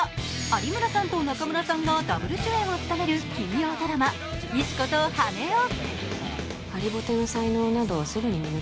有村さんと中村さんがダブル主演を務める金曜ドラマ「石子と羽男」。